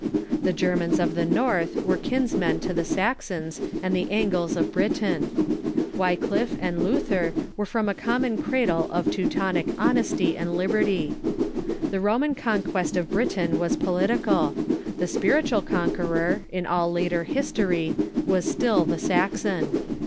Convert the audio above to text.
The Germans of the North were kinsmen to the Saxons and the Angles of Britain. Wycliffe and Lnther Avere from a common cradle of Teutonic honesty and liberty. The Norman conquest of Britain Avas political ; the spiritual con queror, in all later history, was still the Saxon.